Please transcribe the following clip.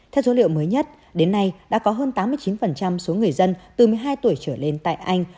theo số liệu mới nhất đến nay đã có hơn tám mươi chín số người dân từ một mươi hai tuổi trở lên tại anh